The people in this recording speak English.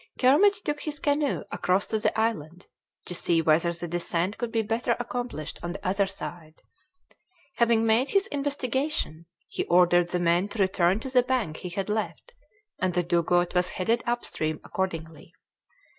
Kermit took his canoe across to the island to see whether the descent could be better accomplished on the other side. Having made his investigation, he ordered the men to return to the bank he had left, and the dugout was headed up stream accordingly.